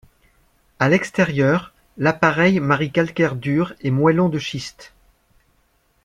À l'extérieur, l'appareil marie calcaire dur et moellon de schiste.